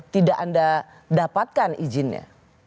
tidak anda dapatkan izinnya